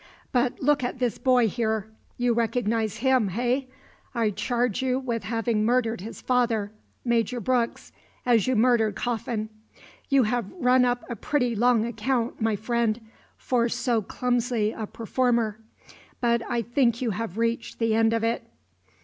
But look at this boy, here. You recognize him, hey? I charge you with having murdered his father, Major Brooks, as you murdered Coffin. You have run up a pretty long account, my friend, for so clumsy a performer; but I think you have reached the end of it."